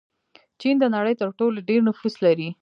چین د نړۍ تر ټولو ډېر نفوس لري.